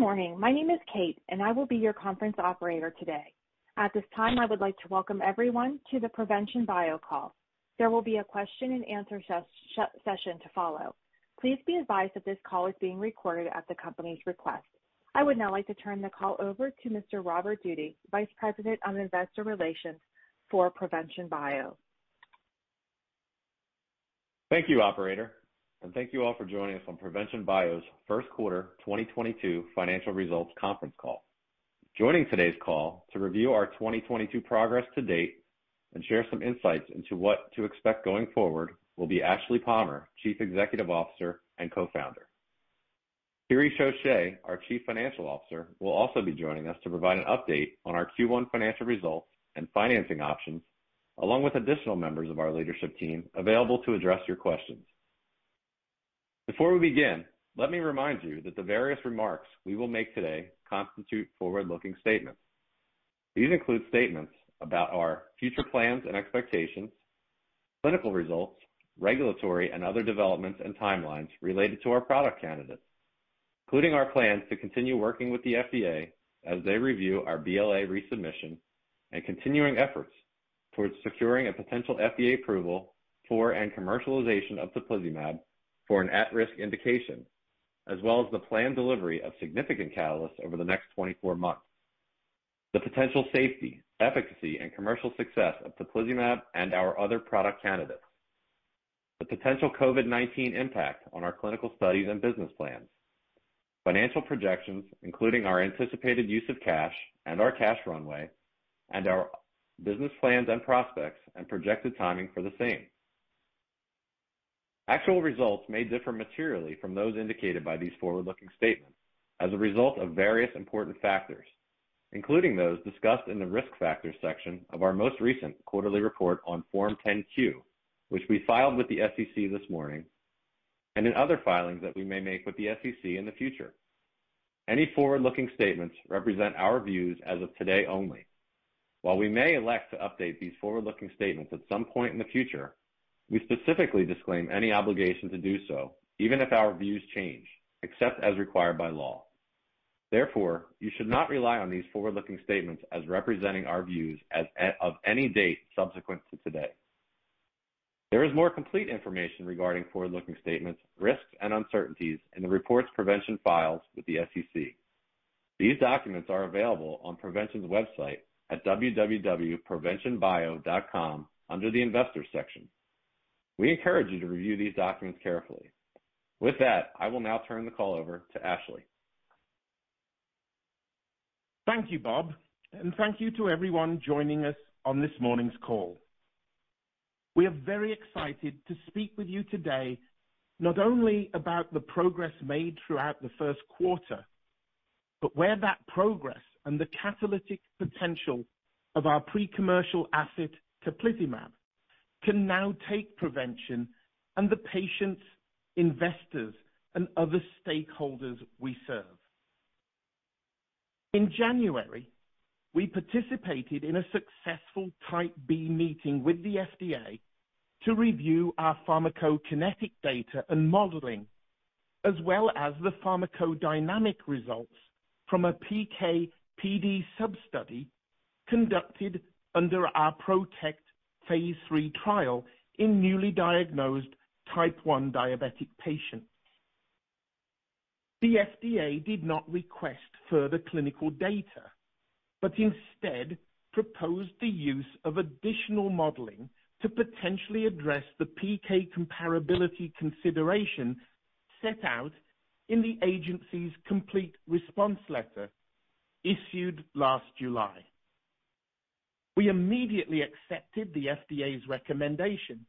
Good morning. My name is Kate, and I will be your conference operator today. At this time, I would like to welcome everyone to the Provention Bio call. There will be a question and answer session to follow. Please be advised that this call is being recorded at the company's request. I would now like to turn the call over to Mr. Robert Doody, Vice President of Investor Relations for Provention Bio. Thank you, operator, and thank you all for joining us on Provention Bio's first quarter 2022 financial results conference call. Joining today's call to review our 2022 progress to date and share some insights into what to expect going forward will be Ashleigh Palmer, Chief Executive Officer and Co-Founder. Thierry Chauche, our Chief Financial Officer, will also be joining us to provide an update on our Q1 financial results and financing options, along with additional members of our leadership team available to address your questions. Before we begin, let me remind you that the various remarks we will make today constitute forward-looking statements. These include statements about our future plans and expectations, clinical results, regulatory and other developments and timelines related to our product candidates, including our plans to continue working with the FDA as they review our BLA resubmission and continuing efforts towards securing a potential FDA approval for and commercialization of teplizumab for an at-risk indication, as well as the planned delivery of significant catalysts over the next 24 months. The potential safety, efficacy, and commercial success of teplizumab and our other product candidates. The potential COVID-19 impact on our clinical studies and business plans. Financial projections, including our anticipated use of cash and our cash runway, and our business plans and prospects and projected timing for the same. Actual results may differ materially from those indicated by these forward-looking statements as a result of various important factors, including those discussed in the Risk Factors section of our most recent quarterly report on Form 10-Q, which we filed with the SEC this morning, and in other filings that we may make with the SEC in the future. Any forward-looking statements represent our views as of today only. While we may elect to update these forward-looking statements at some point in the future, we specifically disclaim any obligation to do so, even if our views change, except as required by law. Therefore, you should not rely on these forward-looking statements as representing our views as of any date subsequent to today. There is more complete information regarding forward-looking statements, risks, and uncertainties in the reports Provention files with the SEC. These documents are available on Provention's website at www.proventionbio.com under the Investors section. We encourage you to review these documents carefully. With that, I will now turn the call over to Ashleigh. Thank you, Bob, and thank you to everyone joining us on this morning's call. We are very excited to speak with you today, not only about the progress made throughout the first quarter, but where that progress and the catalytic potential of our pre-commercial asset, teplizumab, can now take Provention Bio and the patients, investors, and other stakeholders we serve. In January, we participated in a successful Type B meeting with the FDA to review our pharmacokinetic data and modeling, as well as the pharmacodynamic results from a PK/PD sub-study conducted under our PROTECT Phase 3 trial in newly diagnosed Type 1 diabetic patients. The FDA did not request further clinical data, but instead proposed the use of additional modeling to potentially address the PK comparability consideration set out in the agency's complete response letter issued last July. We immediately accepted the FDA's recommendation,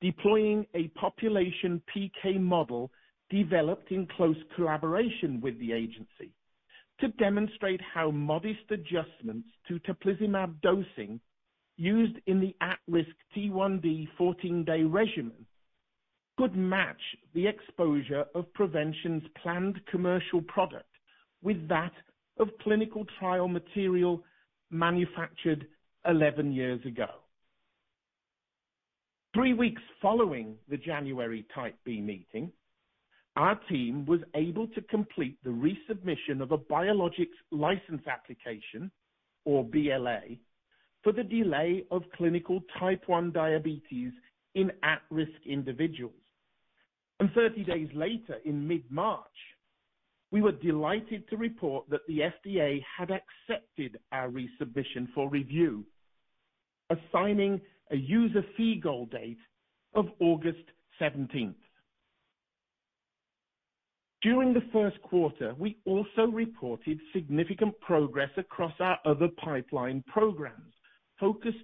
deploying a population PK model developed in close collaboration with the agency to demonstrate how modest adjustments to teplizumab dosing used in the at-risk T1D 14-day regimen could match the exposure of Provention's planned commercial product with that of clinical trial material manufactured 11 years ago. Three weeks following the January Type B meeting, our team was able to complete the resubmission of a Biologics License Application, or BLA, for the delay of clinical Type 1 diabetes in at-risk individuals. Thirty days later, in mid-March, we were delighted to report that the FDA had accepted our resubmission for review, assigning a user fee goal date of August 17. During the first quarter, we also reported significant progress across our other pipeline programs focused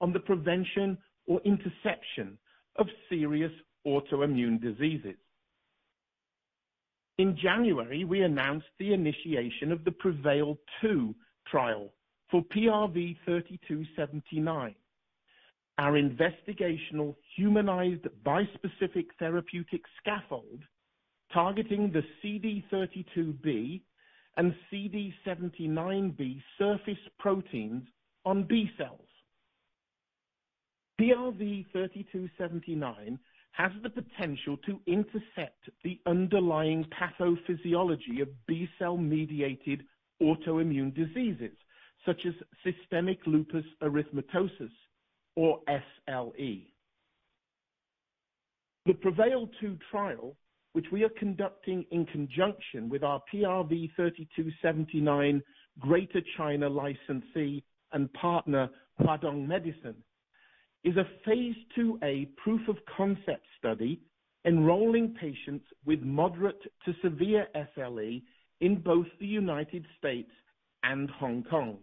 on the prevention or interception of serious autoimmune diseases. In January, we announced the initiation of the PREVAIL-2 trial for PRV-3279, our investigational humanized bispecific therapeutic scaffold targeting the CD32B and CD79B surface proteins on B cells. PRV-3279 has the potential to intercept the underlying pathophysiology of B-cell mediated autoimmune diseases such as systemic lupus erythematosus or SLE. The PREVAIL-2 trial, which we are conducting in conjunction with our PRV-3279 Greater China licensee and partner, Huadong Medicine, is a phase 2a proof of concept study enrolling patients with moderate to severe SLE in both the United States and Hong Kong.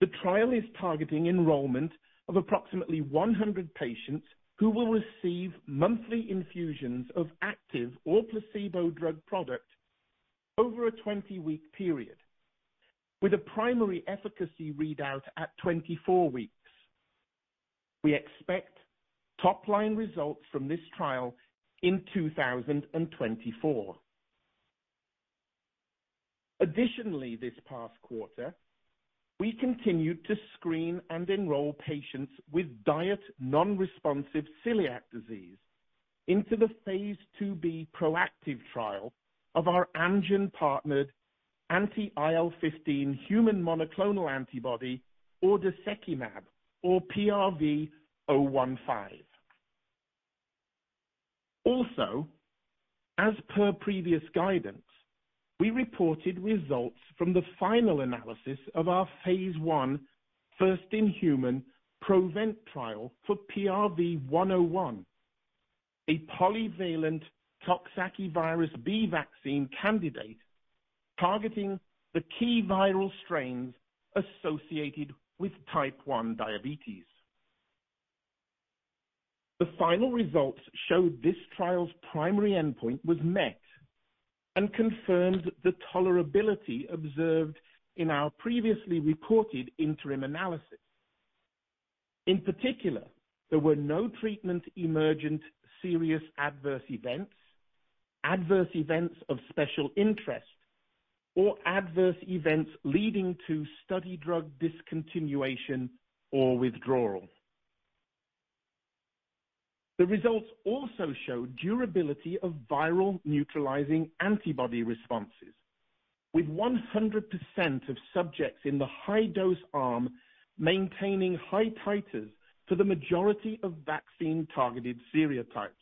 The trial is targeting enrollment of approximately 100 patients who will receive monthly infusions of active or placebo drug product over a 20-week period, with a primary efficacy readout at 24 weeks. We expect top-line results from this trial in 2024. Additionally, this past quarter, we continued to screen and enroll patients with diet non-responsive celiac disease into the phase 2b PROACTIVE trial of our Amgen partnered anti-IL-15 human monoclonal antibody ordesekimab or PRV-015. Also, as per previous guidance, we reported results from the final analysis of our phase I first-in-human PROVENT trial for PRV-101, a polyvalent coxsackievirus B vaccine candidate targeting the key viral strains associated with type one diabetes. The final results showed this trial's primary endpoint was met and confirmed the tolerability observed in our previously reported interim analysis. In particular, there were no treatment-emergent serious adverse events, adverse events of special interest or adverse events leading to study drug discontinuation or withdrawal. The results also show durability of viral neutralizing antibody responses, with 100% of subjects in the high dose arm maintaining high titers for the majority of vaccine targeted serotypes.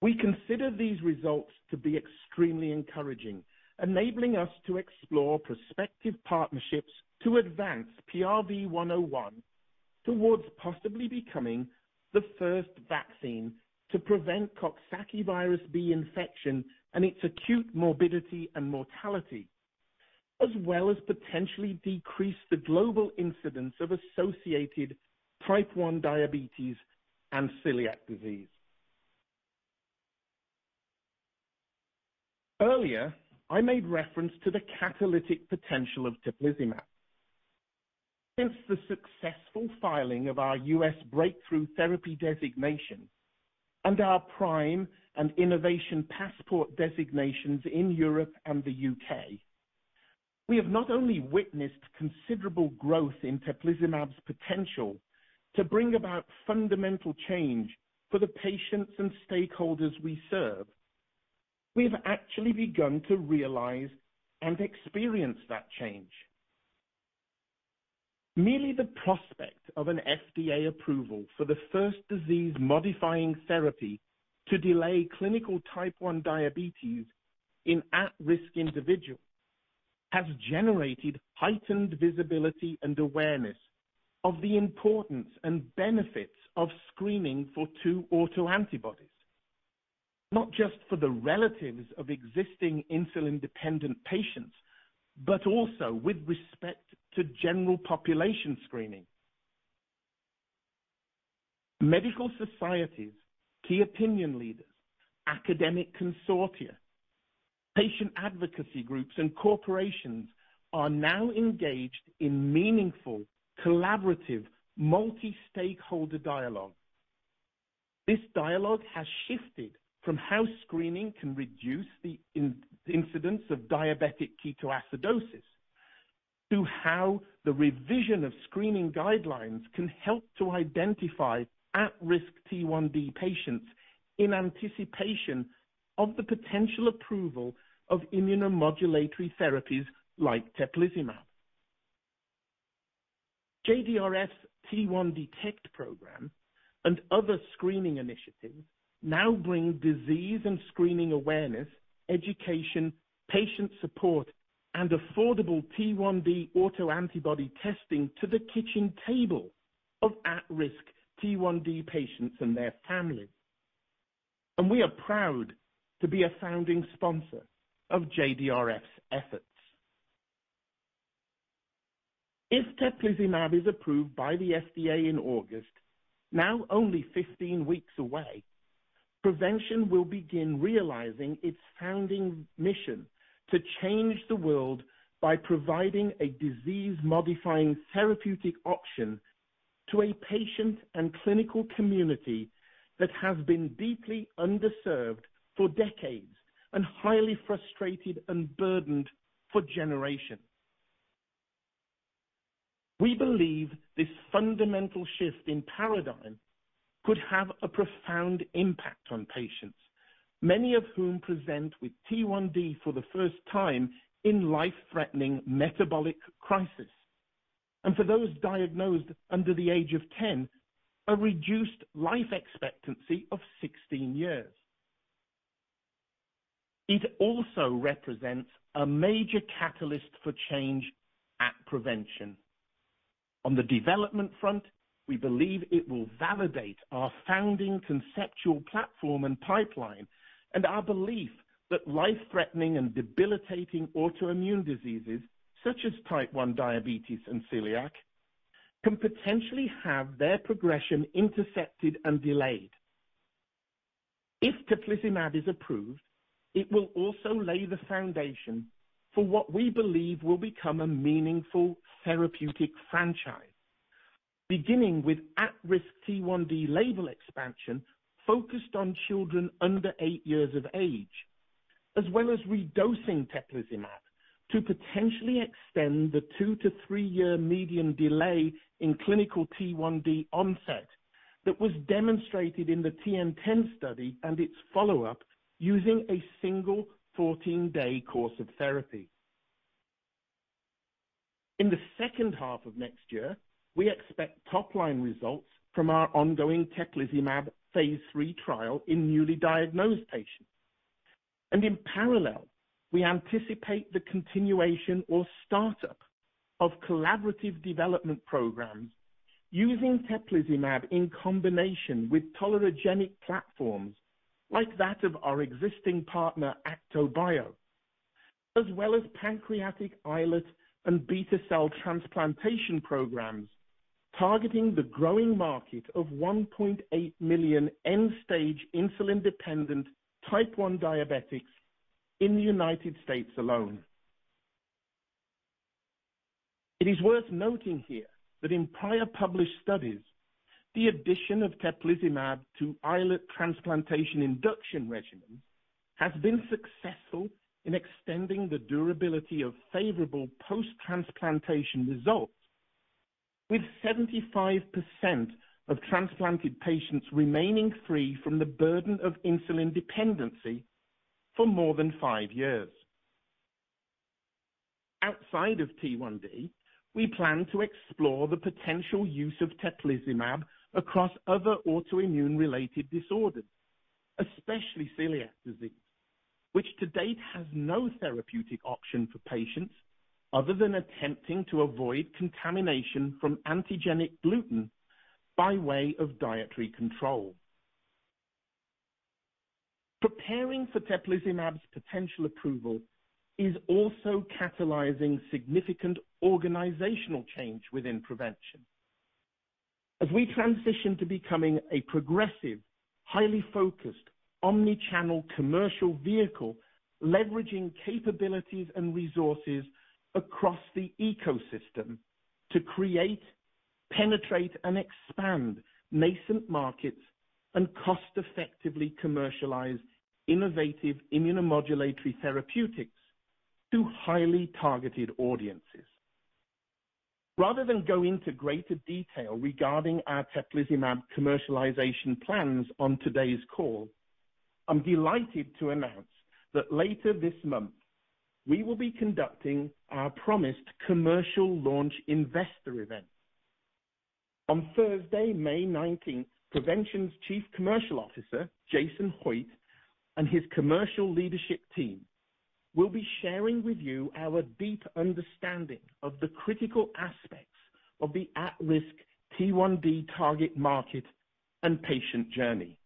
We consider these results to be extremely encouraging, enabling us to explore prospective partnerships to advance PRV-101 towards possibly becoming the first vaccine to prevent coxsackievirus B infection and its acute morbidity and mortality, as well as potentially decrease the global incidence of associated Type 1 diabetes and celiac disease. Earlier, I made reference to the catalytic potential of teplizumab. Since the successful filing of our U.S. Breakthrough Therapy Designation and our PRIME and Innovation Passport designations in Europe and the U.K., we have not only witnessed considerable growth in teplizumab's potential to bring about fundamental change for the patients and stakeholders we serve, we've actually begun to realize and experience that change. Merely the prospect of an FDA approval for the first disease modifying therapy to delay clinical Type 1 diabetes in at-risk individuals has generated heightened visibility and awareness of the importance and benefits of screening for two autoantibodies, not just for the relatives of existing insulin-dependent patients, but also with respect to general population screening. Medical societies, key opinion leaders, academic consortia, patient advocacy groups, and corporations are now engaged in meaningful collaborative multi-stakeholder dialogue. This dialogue has shifted from how screening can reduce the incidence of diabetic ketoacidosis to how the revision of screening guidelines can help to identify at-risk T1D patients in anticipation of the potential approval of immunomodulatory therapies like teplizumab. JDRF's T1Detect program and other screening initiatives now bring disease and screening awareness, education, patient support, and affordable T1D autoantibody testing to the kitchen table of at-risk T1D patients and their families. We are proud to be a founding sponsor of JDRF's efforts. If teplizumab is approved by the FDA in August, now only 15 weeks away, Provention will begin realizing its founding mission to change the world by providing a disease-modifying therapeutic option to a patient and clinical community that has been deeply underserved for decades and highly frustrated and burdened for generations. We believe this fundamental shift in paradigm could have a profound impact on patients, many of whom present with T1D for the first time in life-threatening metabolic crisis. For those diagnosed under the age of 10, a reduced life expectancy of 16 years. It also represents a major catalyst for change at Provention. On the development front, we believe it will validate our founding conceptual platform and pipeline, and our belief that life-threatening and debilitating autoimmune diseases, such as type 1 diabetes and celiac, can potentially have their progression intercepted and delayed. If teplizumab is approved, it will also lay the foundation for what we believe will become a meaningful therapeutic franchise. Beginning with at-risk T1D label expansion focused on children under eight years of age, as well as redosing teplizumab to potentially extend the 2-3-year median delay in clinical T1D onset that was demonstrated in the TN-10 study and its follow-up using a single 14-day course of therapy. In the second half of next year, we expect top-line results from our ongoing teplizumab phase III trial in newly diagnosed patients. In parallel, we anticipate the continuation or start-up of collaborative development programs using teplizumab in combination with tolerogenic platforms like that of our existing partner, ActoBio, as well as pancreatic islet and beta cell transplantation programs targeting the growing market of 1.8 million end-stage insulin-dependent type one diabetics in the United States alone. It is worth noting here that in prior published studies, the addition of teplizumab to islet transplantation induction regimen has been successful in extending the durability of favorable post-transplantation results, with 75% of transplanted patients remaining free from the burden of insulin dependency for more than five years. Outside of T1D, we plan to explore the potential use of teplizumab across other autoimmune related disorders, especially celiac disease, which to date has no therapeutic option for patients other than attempting to avoid contamination from antigenic gluten by way of dietary control. Preparing for teplizumab's potential approval is also catalyzing significant organizational change within Provention Bio. As we transition to becoming a progressive, highly focused, omni-channel commercial vehicle, leveraging capabilities and resources across the ecosystem to create, penetrate, and expand nascent markets and cost-effectively commercialize innovative immunomodulatory therapeutics to highly targeted audiences. Rather than go into greater detail regarding our teplizumab commercialization plans on today's call, I'm delighted to announce that later this month, we will be conducting our promised commercial launch investor event. On Thursday, May nineteenth, Provention Bio's Chief Commercial Officer, Jason Hoyt, and his commercial leadership team will be sharing with you our deep understanding of the critical aspects of the at-risk T1D target market and patient journey.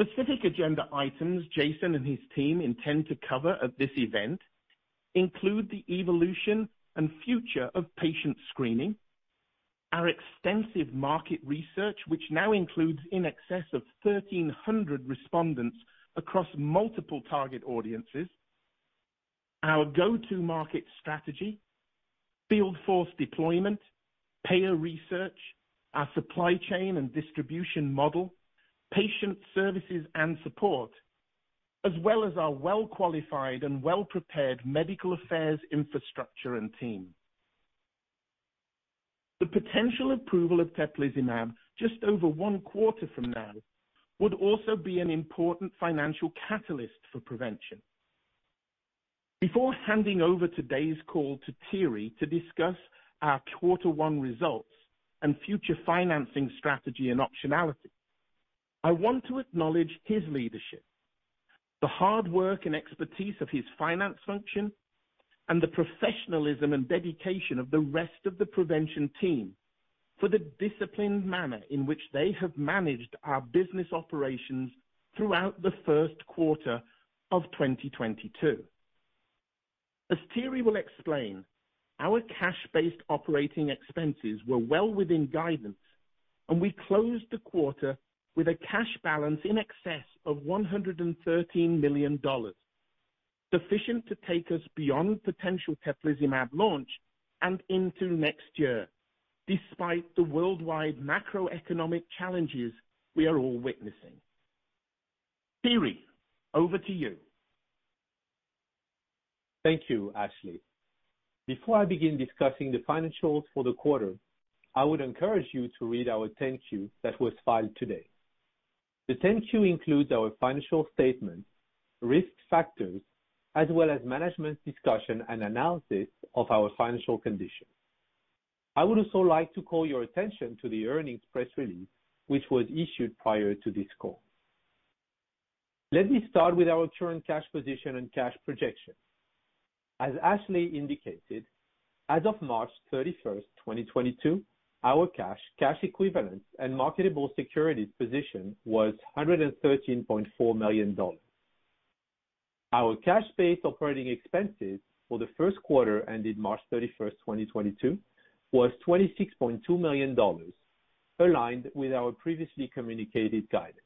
Specific agenda items Jason and his team intend to cover at this event include the evolution and future of patient screening, our extensive market research, which now includes in excess of 1,300 respondents across multiple target audiences, our go-to-market strategy, field force deployment, payer research, our supply chain and distribution model, patient services and support, as well as our well-qualified and well-prepared medical affairs infrastructure and team. The potential approval of teplizumab just over one quarter from now would also be an important financial catalyst for Provention. Before handing over today's call to Thierry to discuss our quarter one results and future financing strategy and optionality, I want to acknowledge his leadership, the hard work and expertise of his finance function, and the professionalism and dedication of the rest of the Provention team for the disciplined manner in which they have managed our business operations throughout the first quarter of 2022. As Thierry will explain, our cash-based operating expenses were well within guidance, and we closed the quarter with a cash balance in excess of $113 million. Sufficient to take us beyond potential teplizumab launch and into next year despite the worldwide macroeconomic challenges we are all witnessing. Thierry, over to you. Thank you, Ashleigh. Before I begin discussing the financials for the quarter, I would encourage you to read our Form 10-Q that was filed today. The Form 10-Q includes our financial statements, risk factors, as well as management's discussion and analysis of our financial conditions. I would also like to call your attention to the earnings press release, which was issued prior to this call. Let me start with our current cash position and cash projections. As Ashleigh indicated, as of March 31, 2022, our cash equivalents, and marketable securities position was $113.4 million. Our cash-based operating expenses for the first quarter ended March 31, 2022 was $26.2 million, aligned with our previously communicated guidance.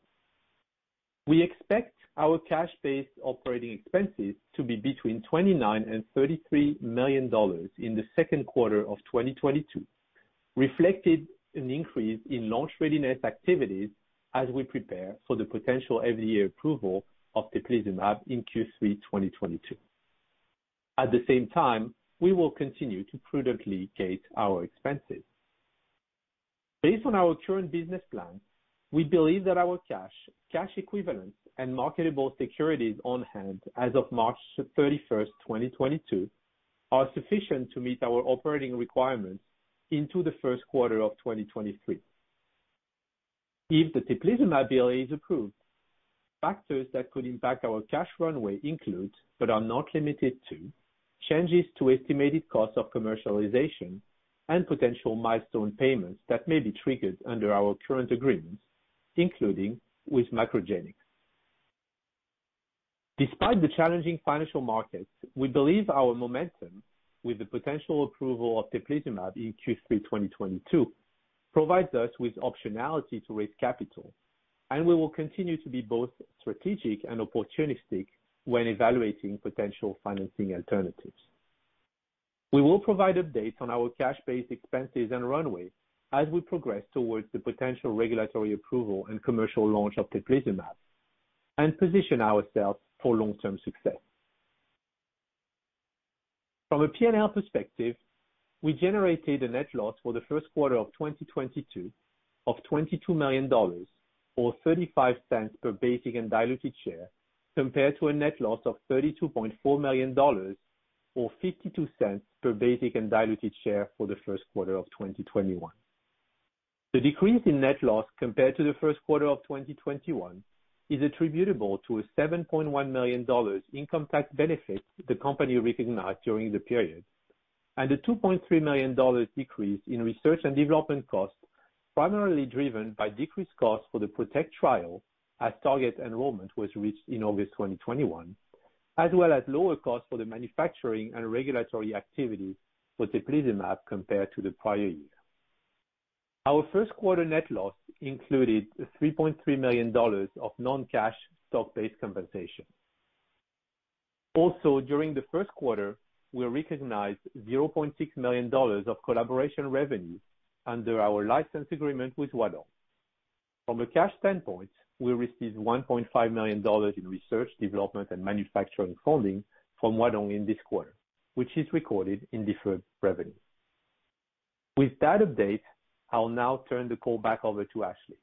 We expect our cash-based operating expenses to be between $29 million and $33 million in the second quarter of 2022, reflecting an increase in launch readiness activities as we prepare for the potential FDA approval of teplizumab in Q3 2022. At the same time, we will continue to prudently gate our expenses. Based on our current business plan, we believe that our cash equivalents, and marketable securities on hand as of March 31, 2022 are sufficient to meet our operating requirements into the first quarter of 2023. If the teplizumab BLA is approved, factors that could impact our cash runway include, but are not limited to, changes to estimated costs of commercialization and potential milestone payments that may be triggered under our current agreements, including with MacroGenics. Despite the challenging financial markets, we believe our momentum with the potential approval of teplizumab in Q3 2022 provides us with optionality to raise capital, and we will continue to be both strategic and opportunistic when evaluating potential financing alternatives. We will provide updates on our cash-based expenses and runway as we progress towards the potential regulatory approval and commercial launch of teplizumab and position ourselves for long-term success. From a P&L perspective, we generated a net loss for the first quarter of 2022 of $22 million or $0.35 per basic and diluted share compared to a net loss of $32.4 million or $0.52 per basic and diluted share for the first quarter of 2021. The decrease in net loss compared to the first quarter of 2021 is attributable to a $7.1 million income tax benefit the company recognized during the period, and a $2.3 million decrease in research and development costs, primarily driven by decreased costs for the PROTECT trial as target enrollment was reached in August 2021, as well as lower costs for the manufacturing and regulatory activities for teplizumab compared to the prior year. Our first quarter net loss included $3.3 million of non-cash stock-based compensation. Also, during the first quarter, we recognized $0.6 million of collaboration revenue under our license agreement with Huadong. From a cash standpoint, we received $1.5 million in research, development, and manufacturing funding from Huadong in this quarter, which is recorded in deferred revenue. With that update, I'll now turn the call back over to Ashleigh.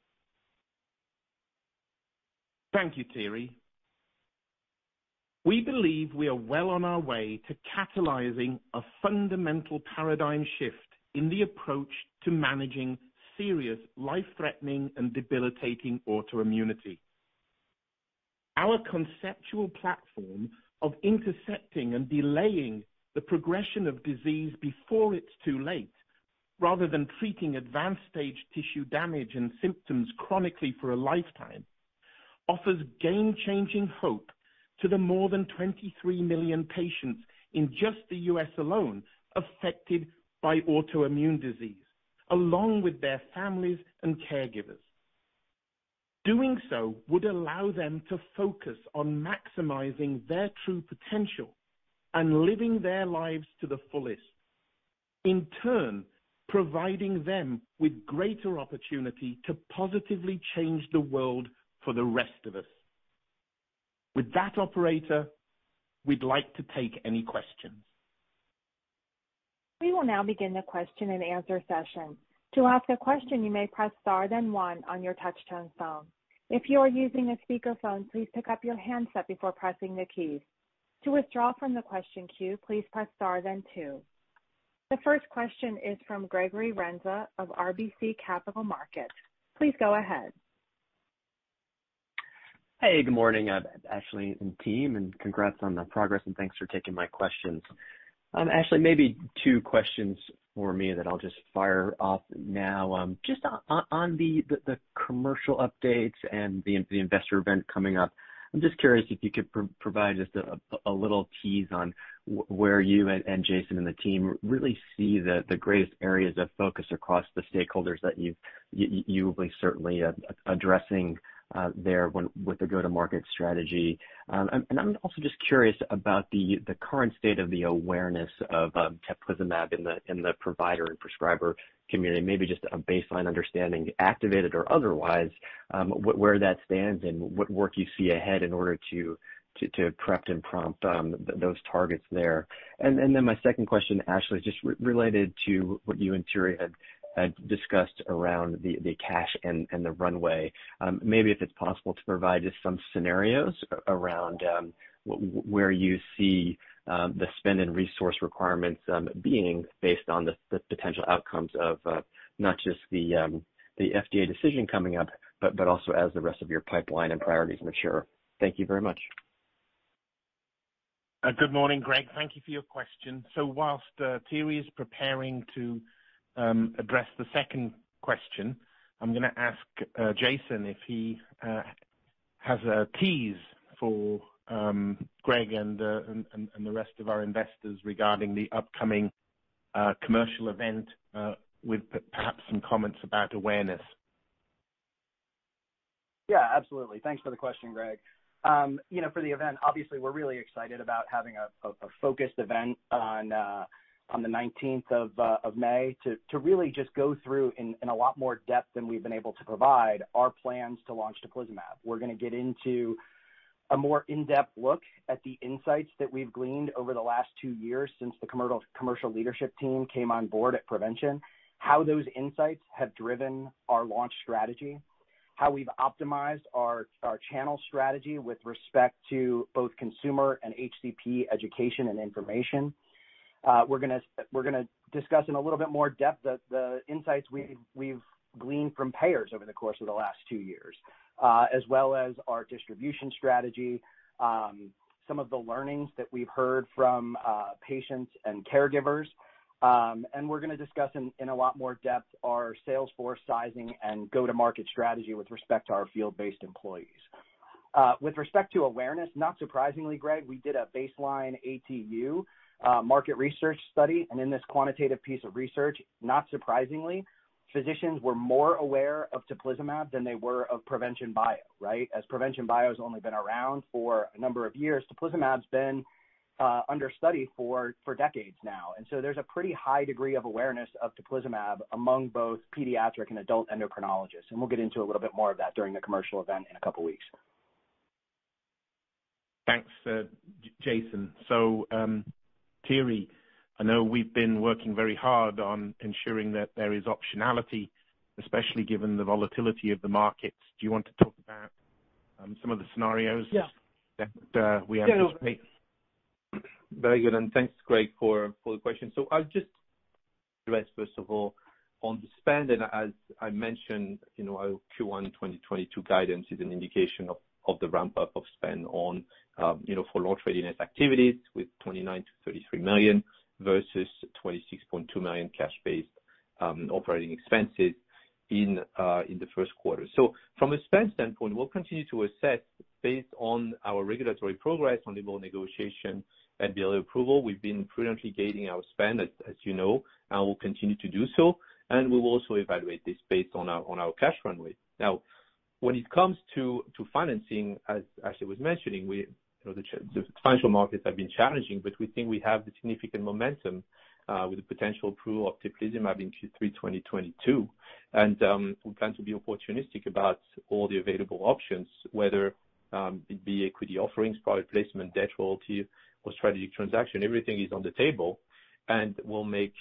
Thank you, Thierry. We believe we are well on our way to catalyzing a fundamental paradigm shift in the approach to managing serious life-threatening and debilitating autoimmunity. Our conceptual platform of intercepting and delaying the progression of disease before it's too late, rather than treating advanced stage tissue damage and symptoms chronically for a lifetime, offers game-changing hope to the more than 23 million patients in just the U.S. Alone affected by autoimmune disease, along with their families and caregivers. Doing so would allow them to focus on maximizing their true potential and living their lives to the fullest, in turn, providing them with greater opportunity to positively change the world for the rest of us. With that, operator, we'd like to take any questions. We will now begin the question and answer session. To ask a question, you may press Star-One on your touch-tone phone. If you are using a speakerphone, please pick up your handset before pressing the keys. To withdraw from the question queue, please press Star then Two. The first question is from Gregory Renza of RBC Capital Markets. Please go ahead. Hey, good morning, Ashley and team, and congrats on the progress, and thanks for taking my questions. Ashley, maybe two questions for me that I'll just fire off now. Just on the commercial updates and the investor event coming up. I'm just curious if you could provide just a little tease on where you and Jason and the team really see the greatest areas of focus across the stakeholders that you will be certainly addressing there with the go-to-market strategy. And I'm also just curious about the current state of the awareness of teplizumab in the provider and prescriber community. Maybe just a baseline understanding, activated or otherwise, where that stands and what work you see ahead in order to prep and prompt those targets there. My second question, Ashleigh, just related to what you and Thierry had discussed around the cash and the runway. Maybe if it's possible to provide just some scenarios around where you see the spend and resource requirements being based on the potential outcomes of not just the FDA decision coming up, but also as the rest of your pipeline and priorities mature. Thank you very much. Good morning, Greg. Thank you for your question. While Thierry is preparing to address the second question, I'm gonna ask Jason if he has a tease for Greg and the rest of our investors regarding the upcoming commercial event with perhaps some comments about awareness. Yeah, absolutely. Thanks for the question, Greg. You know, for the event, obviously, we're really excited about having a focused event on the nineteenth of May to really just go through in a lot more depth than we've been able to provide our plans to launch teplizumab. We're gonna get into a more in-depth look at the insights that we've gleaned over the last two years since the commercial leadership team came on board at Provention, how those insights have driven our launch strategy, how we've optimized our channel strategy with respect to both consumer and HCP education and information. We're gonna discuss in a little bit more depth the insights we've gleaned from payers over the course of the last two years, as well as our distribution strategy, some of the learnings that we've heard from patients and caregivers. We're gonna discuss in a lot more depth our sales force sizing and go-to-market strategy with respect to our field-based employees. With respect to awareness, not surprisingly, Greg, we did a baseline ATU market research study. In this quantitative piece of research, not surprisingly, physicians were more aware of teplizumab than they were of Provention Bio, right? Provention Bio has only been around for a number of years, teplizumab's been under study for decades now. There's a pretty high degree of awareness of teplizumab among both pediatric and adult endocrinologists, and we'll get into a little bit more of that during the commercial event in a couple weeks. Thanks, Jason. Thierry, I know we've been working very hard on ensuring that there is optionality, especially given the volatility of the markets. Do you want to talk about some of the scenarios? Yeah. that we have in place? Go ahead. Very good. Thanks, Greg, for the question. I'll just address, first of all, on the spend, and as I mentioned, you know, our Q1 2022 guidance is an indication of the ramp-up of spend on, you know, for launch readiness activities with $29 million-$33 million versus $26.2 million cash based operating expenses in the first quarter. From a spend standpoint, we'll continue to assess based on our regulatory progress on label negotiation and BLA approval. We've been prudently gating our spend, as you know, and we'll continue to do so, and we will also evaluate this based on our cash runway. Now, when it comes to financing, as Ashley was mentioning, we, you know, the financial markets have been challenging, but we think we have the significant momentum with the potential approval of teplizumab in Q3 2022. We plan to be opportunistic about all the available options, whether it'd be equity offerings, private placement, debt, royalty, or strategic transaction. Everything is on the table, and we'll make,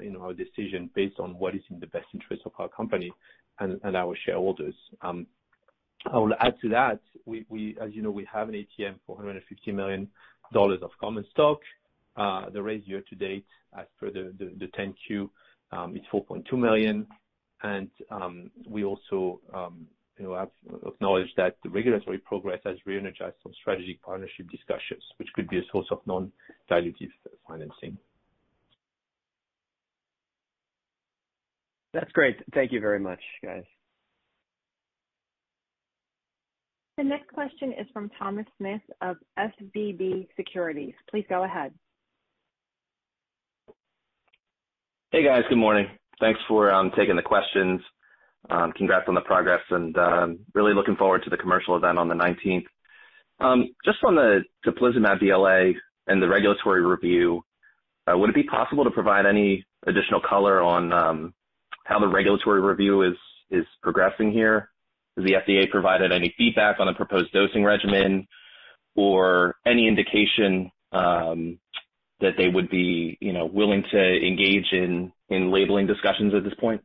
you know, a decision based on what is in the best interest of our company and our shareholders. I will add to that, we as you know, we have an ATM for $150 million of common stock. The raise year to date, as per the Form 10-Q, is $4.2 million. We also, you know, have acknowledged that the regulatory progress has re-energized some strategic partnership discussions, which could be a source of non-dilutive financing. That's great. Thank you very much, guys. The next question is from Thomas Smith of SVB Securities. Please go ahead. Hey, guys. Good morning. Thanks for taking the questions. Congrats on the progress and really looking forward to the commercial event on the 19th. Just on the teplizumab BLA and the regulatory review, would it be possible to provide any additional color on how the regulatory review is progressing here? Has the FDA provided any feedback on the proposed dosing regimen or any indication that they would be, you know, willing to engage in labeling discussions at this point?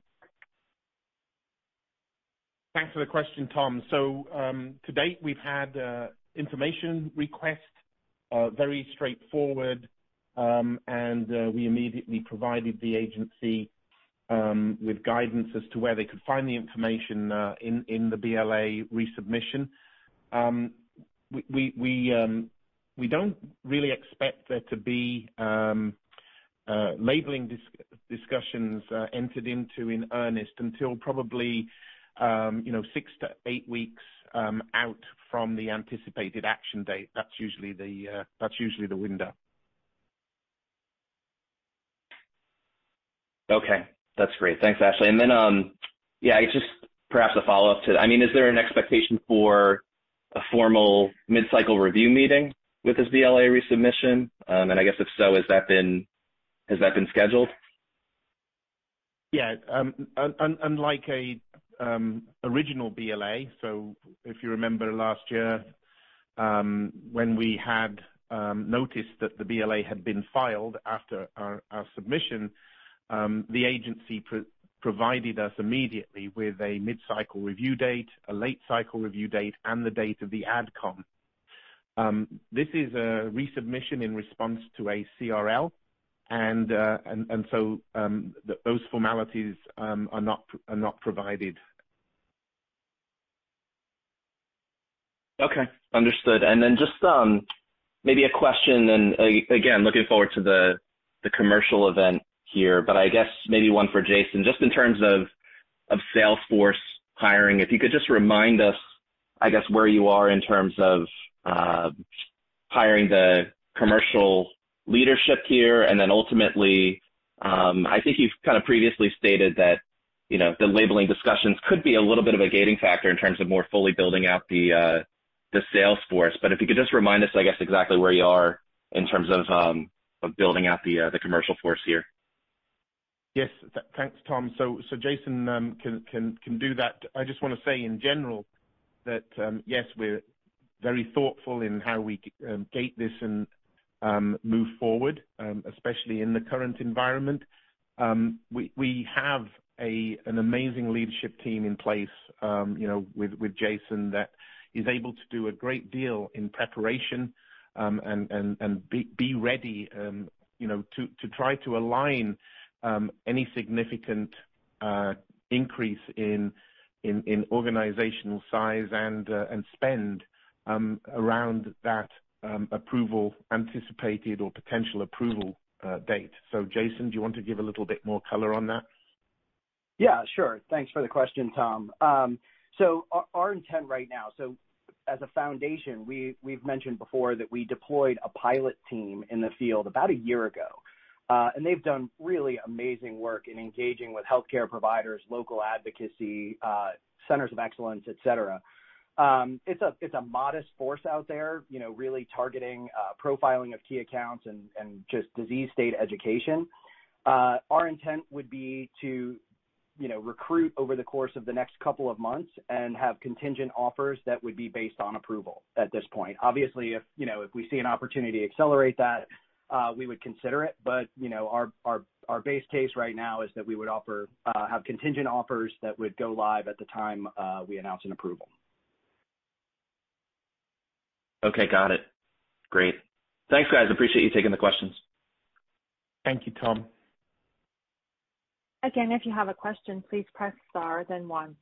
Thanks for the question, Tom. To date, we've had information request very straightforward. We immediately provided the agency with guidance as to where they could find the information in the BLA resubmission. We don't really expect there to be labeling discussions entered into in earnest until probably, you know, 6-8 weeks out from the anticipated action date. That's usually the window. Okay, that's great. Thanks, Ashleigh. Just perhaps a follow-up to that. I mean, is there an expectation for a formal mid-cycle review meeting with this BLA resubmission? I guess if so, has that been scheduled? Yeah. Unlike an original BLA, if you remember last year, when we had noticed that the BLA had been filed after our submission, the agency provided us immediately with a mid-cycle review date, a late cycle review date, and the date of the AdCom. This is a resubmission in response to a CRL and those formalities are not provided. Okay. Understood. Then just maybe a question and again, looking forward to the commercial event here. I guess maybe one for Jason. Just in terms of sales force hiring, if you could just remind us, I guess, where you are in terms of hiring the commercial leadership here. Then ultimately, I think you've kind of previously stated that, you know, the labeling discussions could be a little bit of a gating factor in terms of more fully building out the sales force. If you could just remind us, I guess, exactly where you are in terms of building out the commercial force here. Yes. Thanks, Tom. Jason can do that. I just wanna say in general that yes, we're very thoughtful in how we gate this and move forward, especially in the current environment. We have an amazing leadership team in place, you know, with Jason that is able to do a great deal in preparation, and be ready, you know, to try to align any significant increase in organizational size and spend around that approval anticipated or potential approval date. Jason, do you want to give a little bit more color on that? Yeah, sure. Thanks for the question, Thomas. Our intent right now. As a foundation, we've mentioned before that we deployed a pilot team in the field about a year ago. They've done really amazing work in engaging with healthcare providers, local advocacy, centers of excellence, et cetera. It's a modest force out there, you know, really targeting, profiling of key accounts and just disease state education. Our intent would be to, you know, recruit over the course of the next couple of months and have contingent offers that would be based on approval at this point. Obviously, if, you know, if we see an opportunity to accelerate that, we would consider it. You know, our base case right now is that we would have contingent offers that would go live at the time we announce an approval. Okay. Got it. Great. Thanks, guys. Appreciate you taking the questions. Thank you, Tom. Again, if you have a question, please press Star then one.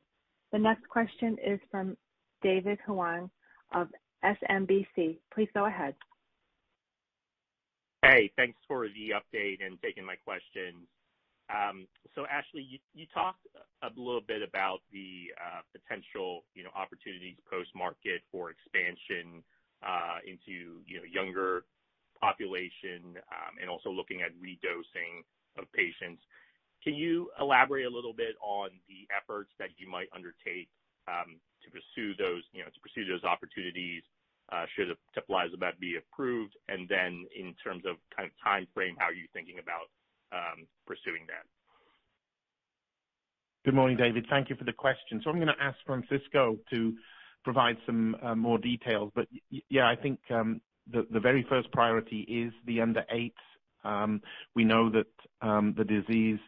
The next question is from David Hoang of SMBC. Please go ahead. Hey, thanks for the update and taking my questions. Ashleigh, you talked a little bit about the potential, you know, opportunities post-market for expansion into, you know, younger population, and also looking at redosing of patients. Can you elaborate a little bit on the efforts that you might undertake to pursue those, you know, to pursue those opportunities should teplizumab be approved? In terms of kind of timeframe, how are you thinking about pursuing that? Good morning, David. Thank you for the question. I'm gonna ask Francisco to provide some more details. Yeah, I think the very first priority is the under 8s. We know that the disease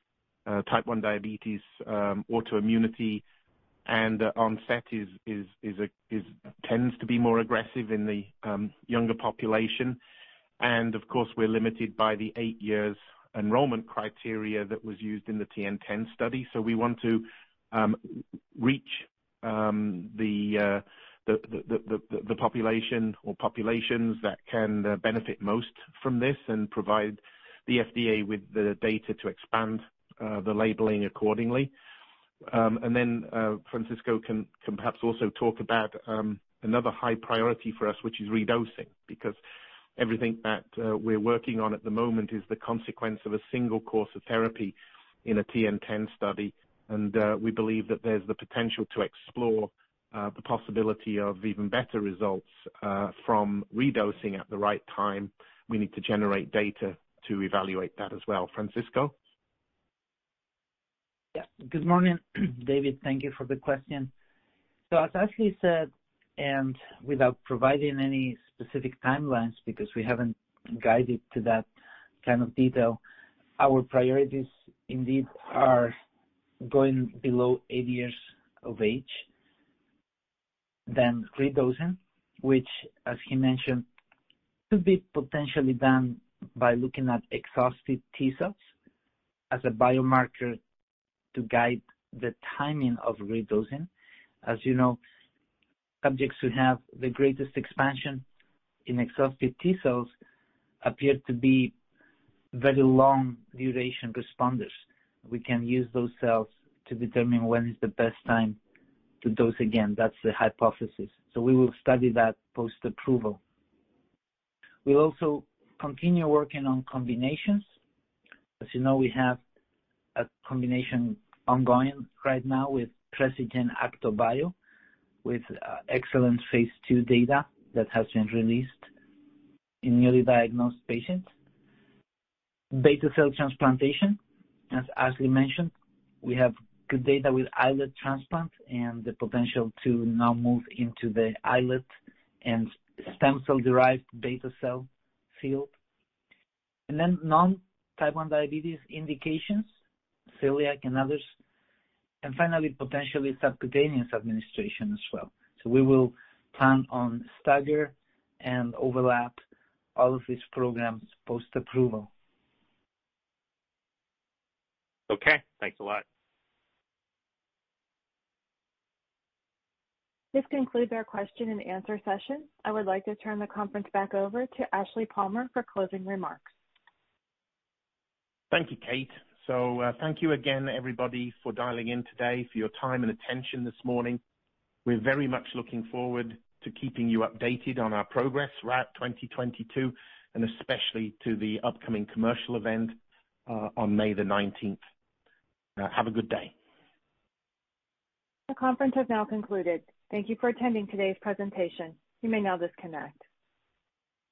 Type 1 diabetes autoimmunity and onset tends to be more aggressive in the younger population. Of course, we're limited by the 8 years enrollment criteria that was used in the TN-10 study. We want to reach the population or populations that can benefit most from this and provide the FDA with the data to expand the labeling accordingly. Francisco can perhaps also talk about another high priority for us, which is redosing. Because everything that we're working on at the moment is the consequence of a single course of therapy in a TN10 study. We believe that there's the potential to explore the possibility of even better results from redosing at the right time. We need to generate data to evaluate that as well. Francisco. Yeah. Good morning, David. Thank you for the question. As Ashley said, and without providing any specific timelines because we haven't guided to that kind of detail, our priorities indeed are going below eight years of age, then redosing, which as he mentioned, could be potentially done by looking at exhausted T-cells as a biomarker to guide the timing of redosing. As you know, subjects who have the greatest expansion in exhausted T-cells appear to be very long duration responders. We can use those cells to determine when is the best time to dose again. That's the hypothesis. We will study that post-approval. We'll also continue working on combinations. As you know, we have a combination ongoing right now with Precigen ActoBio, with excellent phase II data that has been released in newly diagnosed patients. Beta cell transplantation. As Ashleigh mentioned, we have good data with islet transplant and the potential to now move into the islet and stem cell-derived beta cell field. Non-Type 1 diabetes indications, celiac and others. Potentially subcutaneous administration as well. We will plan on stagger and overlap all of these programs post-approval. Okay. Thanks a lot. This concludes our question and answer session. I would like to turn the conference back over to Ashleigh Palmer for closing remarks. Thank you, Kate. Thank you again everybody for dialing in today, for your time and attention this morning. We're very much looking forward to keeping you updated on our progress throughout 2022 and especially to the upcoming commercial event on May 19th. Have a good day. The conference has now concluded. Thank you for attending today's presentation. You may now disconnect.